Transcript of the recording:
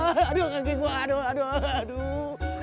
aduh anggit gua aduh aduh aduh aduh